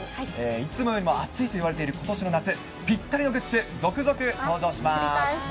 いつもよりも暑いといわれていることしの夏、ぴったりのグッズ、知りたい。